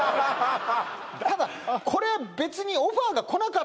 ただこれは別にいや